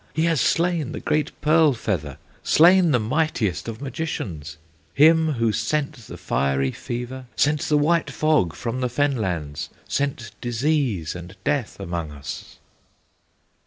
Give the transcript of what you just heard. He has slain the great Pearl Feather, Slain the mightiest of Magicians, Him, who sent the fiery fever, Sent the white fog from the fen lands, Sent disease and death among us!"